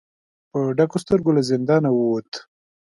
په ډکو سترګو له زندانه ووت.